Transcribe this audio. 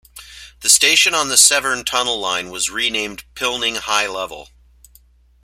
The station on the Severn Tunnel line was renamed Pilning High Level.